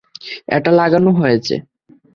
এটা লাগানো হয়েছে?